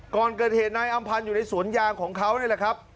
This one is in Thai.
ก่อนเกิดเหตุนายอำพันธ์อยู่ในสวนยางของเขานี่แหละครับ